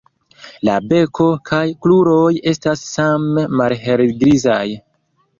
La beko kaj kruroj estas same malhelgrizaj.